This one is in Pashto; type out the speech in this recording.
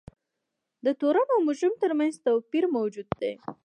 د تورن او مجرم ترمنځ توپیر موجود دی.